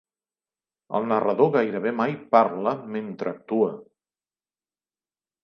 El narrador gairebé mai parla mentre actua.